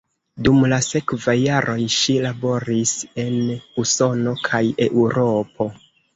Dum la sekvaj jaroj ŝi laboris en Usono kaj Eŭropo.